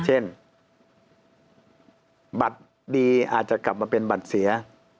เช่นบัตรดีอาจจะกลับมาเป็นบัตรเสีย